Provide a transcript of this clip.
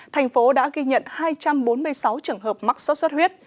thành phố đã ghi nhận hai trăm bốn mươi sáu trường hợp mắc sốt xuất huyết